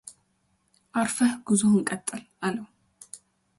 አርፈህ ጉዞህን ቀጥል አለው፡፡